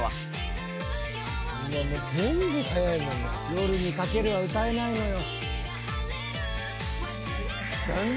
『夜に駆ける』は歌えないのよ。